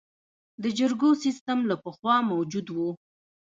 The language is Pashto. د جرګو سیسټم له پخوا موجود و